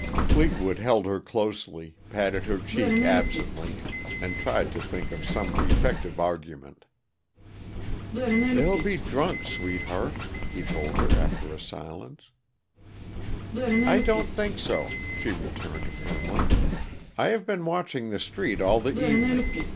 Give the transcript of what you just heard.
Fleetwood held her closely, patted her cheek absently, and tried to think of some effective argument. "They'll be drunk, sweetheart," he told her, after a silence. "I don't think so," she returned firmly. "I have been watching the street all the evening.